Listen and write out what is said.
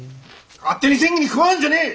勝手に詮議に加わんじゃねえ！